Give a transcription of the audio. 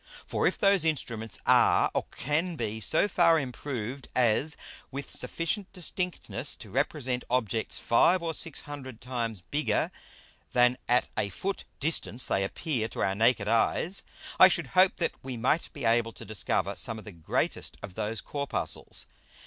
For if those Instruments are or can be so far improved as with sufficient distinctness to represent Objects five or six hundred times bigger than at a Foot distance they appear to our naked Eyes, I should hope that we might be able to discover some of the greatest of those Corpuscles.